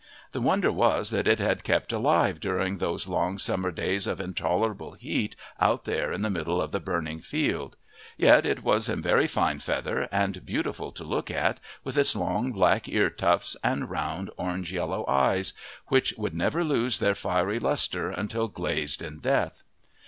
The wonder was that it had kept alive during those long midsummer days of intolerable heat out there in the middle of the burning field. Yet it was in very fine feather and beautiful to look at with its long, black ear tufts and round, orange yellow eyes, which would never lose their fiery lustre until glazed in death.